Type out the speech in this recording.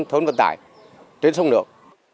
thốn vận tải tuyến sông được